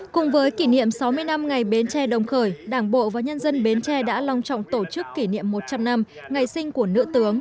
cùng với kỷ niệm sáu mươi năm ngày bến tre đồng khởi đảng bộ và nhân dân bến tre đã long trọng tổ chức kỷ niệm một trăm linh năm ngày sinh của nữ tướng